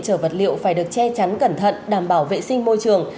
chở vật liệu phải được che chắn cẩn thận đảm bảo vệ sinh môi trường